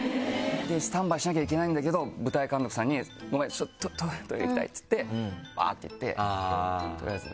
スタンバイしなきゃいけないんだけど舞台監督さんに「ごめんちょっとトイレ行きたい」っつってバって行って取りあえず。